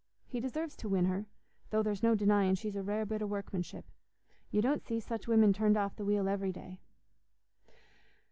He deserves to win her, though there's no denying she's a rare bit o' workmanship. You don't see such women turned off the wheel every day."